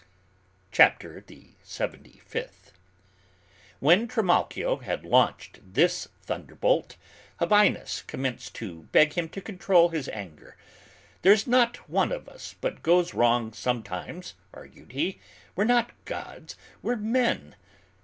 CHAPTER THE SEVENTY FIFTH. When Trimalchio had launched this thunderbolt, Habinnas commenced to beg him to control his anger. "There's not one of us but goes wrong sometimes," argued he; "we're not gods, we're men."